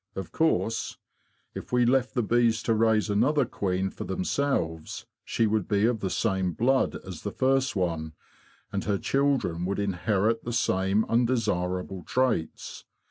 Of course, if we left the bees to raise another queen for themselves, she would be of the same blood as the first one, and her children would inherit the same undesirable traits.